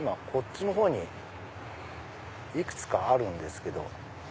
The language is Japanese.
こっちのほうにいくつかあるんですけど。